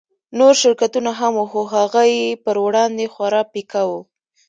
نور شرکتونه هم وو خو هغه يې پر وړاندې خورا پيکه وو.